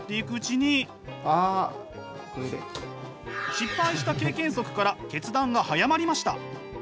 失敗した経験則から決断が早まりました。